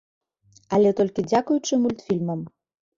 Але толькі дзякуючы мультфільмам.